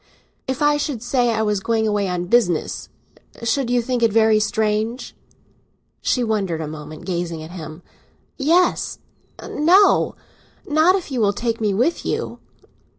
"If I should say I was going away on business, should you think it very strange?" She wondered a moment, gazing at him. "Yes—no. Not if you will take me with you."